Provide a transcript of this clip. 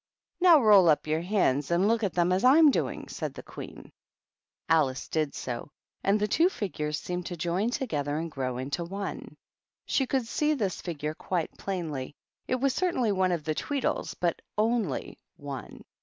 "Now, roll up your hands, and look at them as I'm doing," said the Queen. Alice did so, and the two figures seemed to join together and grow into one. She could see this figure quite plainly ; it was certainly one of the Tweedles, but only one.